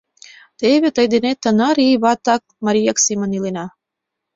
Теве тый денет тынар ий ватак-марияк семын илена...